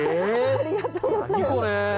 ありがとうございます。